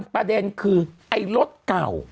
ประเด็นคือไอ้รถเก่า